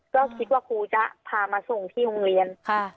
ก็คิดว่าครูจะพามาส่งที่โรงเรียน